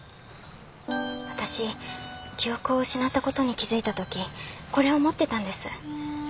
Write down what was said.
私記憶を失ったことに気付いたときこれを持ってたんです。